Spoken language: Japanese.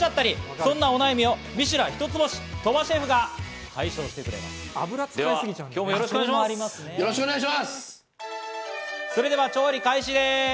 そんなお悩みをミシュラン一ツ星鳥羽シェフが解消調理開始です。